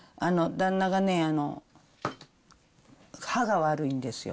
旦那がね、歯が悪いんですよ。